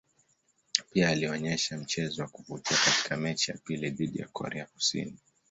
Pia alionyesha mchezo wa kuvutia katika mechi ya pili dhidi ya Korea Kusini.